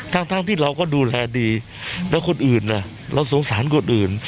ทั้งที่เราก็ดูแลดีแล้วคนอื่นเราสงสารคนอื่น